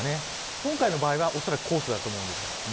今回の場合はおそらくコースだと思うんです。